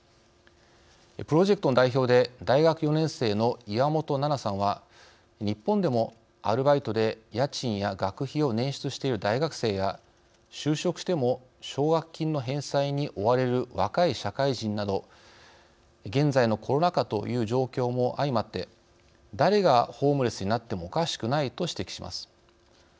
プロジェクトの代表で大学４年生の岩本菜々さんは日本でもアルバイトで家賃や学費を捻出している大学生や就職しても奨学金の返済に追われる若い社会人など現在のコロナ禍という状況も相まって「誰がホームレスになってもおかしくない」と指摘します。